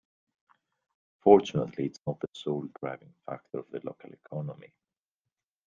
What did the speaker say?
Fortunately its not the sole driving factor of the local economy.